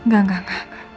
gak gak gak